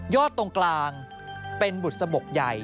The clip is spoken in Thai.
ยอดตรงกลางเป็นบุตรสะบกใหญ่